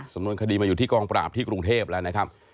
สำนวนคดีมาอยู่ที่กองปราบที่กรุงเทพแล้วนะครับ